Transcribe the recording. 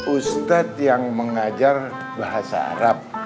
ustadz yang mengajar bahasa arab